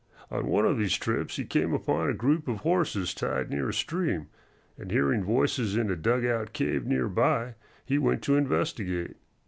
On one of these trips he came upon a group of horses tied near a stream, and hearing voices in a dugout cave near by, he went to investigate.